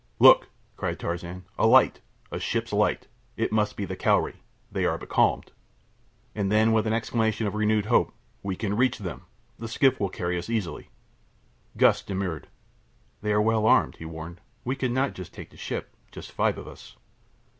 "Look!" cried Tarzan. "A light! A ship's light! It must be the Cowrie. They are becalmed." And then with an exclamation of renewed hope, "We can reach them! The skiff will carry us easily." Gust demurred. "They are well armed," he warned. "We could not take the ship—just five of us."